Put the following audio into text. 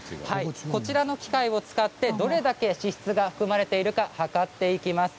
こちらの機械を使ってどれだけ脂質が含まれているか計っていきます。